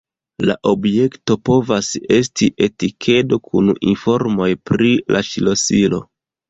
La objekto povas esti etikedo kun informoj pri la ŝlosilo.